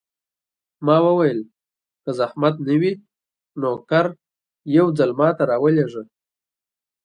ما وویل: که زحمت نه وي، نوکر یو ځل ما ته راولېږه.